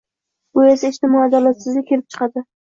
bu esa ijtimoiy adolatsizlik kelib chiqadi;